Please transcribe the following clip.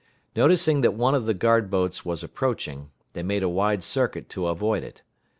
Noticing that one of the guard boats was approaching, they made a wide circuit to avoid it.